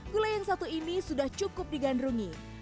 gulai yang satu ini sudah cukup digandrungi